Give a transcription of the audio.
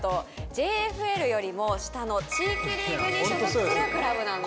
ＪＦＬよりも下の地域リーグに所属するクラブなんです。